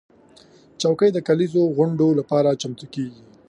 چوکۍ د کليزو غونډو لپاره چمتو کېږي.